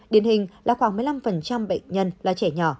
điển hình là khoảng một mươi năm bệnh nhân là trẻ nhỏ